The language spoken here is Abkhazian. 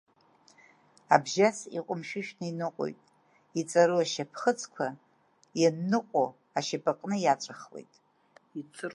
Абжьас иҟәымшәышәны иныҟәоит, иҵәру ашьаԥхыцқәа ианныҟәо иаҵәахоит ашьапы аҟны.